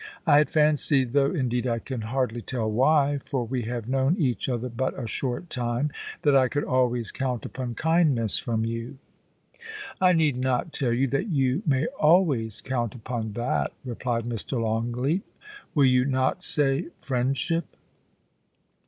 * I had fancied, though indeed I can hardly tell why, for we have known each other but a short time, that I could always count upon kindness from you.' * I need not tell you that you may always count upon that,' replied Mr. Longleat *Will you not say — friend ship?'